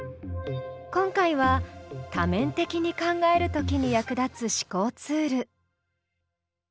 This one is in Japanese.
今回は多面的に考えるときに役立つ思考ツール。